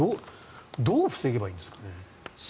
どう防げばいいんですかね。